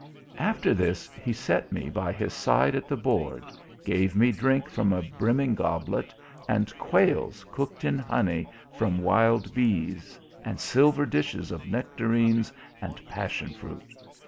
"After this, he set me by his side at the board, gave me drink from a brimming goblet and quails cooked in honey from wild bees and silver dishes of nectarines and passion fruit.